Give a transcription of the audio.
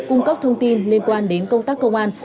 cung cấp thông tin liên quan đến công tác công an